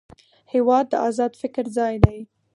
هېواد د ازاد فکر ځای دی.